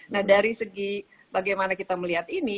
nah dari segi bagaimana kita melihat ini